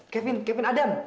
kevin kevin adam